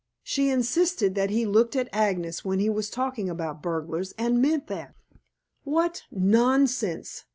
She insisted that he looked at Agnes when he was talking about burglars, and meant that." "What nonsense!"